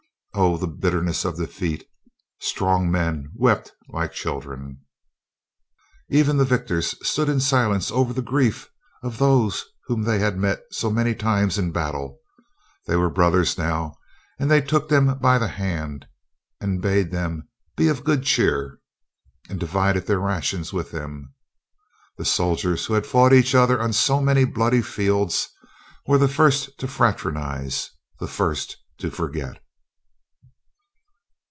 Oh, the bitterness of defeat! Strong men wept like children. Even the victors stood in silence over the grief of those whom they had met so many times in battle. They were brothers now, and they took them by the hand and bade them be of good cheer, and divided their rations with them. The soldiers who had fought each other on so many bloody fields were the first to fraternize, the first to forget.